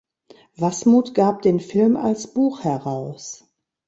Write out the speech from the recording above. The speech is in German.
Wasmuth gab den Film als Buch heraus.